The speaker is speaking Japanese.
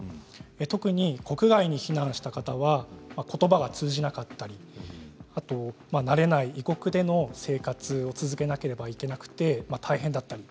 特に、国外に避難した方はことばが通じなかったりあとは慣れない異国での生活を続けなければいけなくて大変だったり